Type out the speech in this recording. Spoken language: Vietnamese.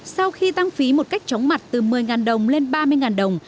sau khi tăng phí một cách chóng mặt từ một mươi đồng lên ba mươi đồng